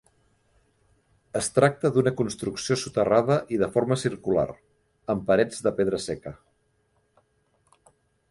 Es tracta d'una construcció soterrada i de forma circular, amb parets de pedra seca.